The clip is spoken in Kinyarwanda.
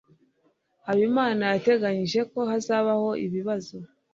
habimana yateganije ko hazabaho ibibazo